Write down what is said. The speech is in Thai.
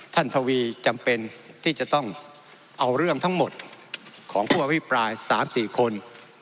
ทวีจำเป็นที่จะต้องเอาเรื่องทั้งหมดของผู้อภิปราย๓๔คน